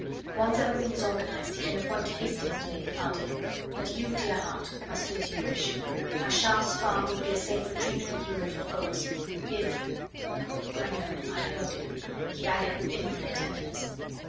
Once everything is organised he can appoint Hastings to lead the party. But you, dear heart, must do as you wish. Achard's farm would be a safe retreat for you and for Ffoulkes: if... I know I know, dear," he added with infinite tenderness.